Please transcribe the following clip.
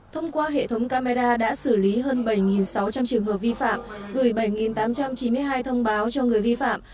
thông qua hệ thống camera đã xử lý hơn bảy sáu trăm linh trường hợp vi phạm gửi bảy tám trăm chín mươi hai thông báo cho người vi phạm